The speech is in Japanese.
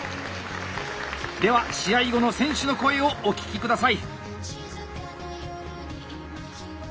では試合後の選手の声をお聞きください。